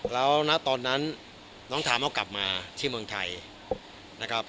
แล้วณตอนนั้นน้องทามเอากลับมาที่เมืองไทยนะครับ